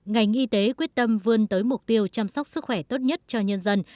ngành y tế quyết tâm vươn tới mục tiêu chăm sóc sức khỏe tốt nhất cho nhân dân